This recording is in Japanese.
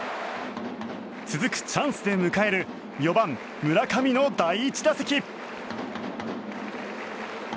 続くチャンスで迎える４番、村上の第１打席。